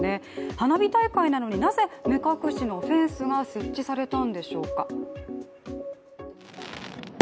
花火大会なのになぜ目隠しのフェンスが設置されたんでしょうか。